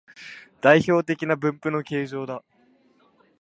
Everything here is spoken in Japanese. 代表的な分布の形状だ